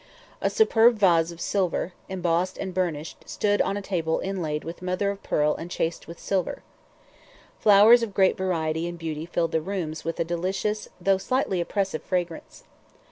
A superb vase of silver, embossed and burnished, stood on a table inlaid with mother of pearl and chased with silver. Flowers of great variety and beauty filled the rooms with a delicious though slightly oppressive fragrance.